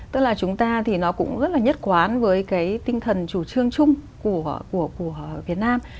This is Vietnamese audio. tức là chúng ta thì nó cũng rất là nhất quán với cái tinh thần chủ trương chung của việt nam